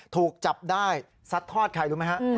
ถูกจับได้ซัดทอดใครรู้ไหมฮะ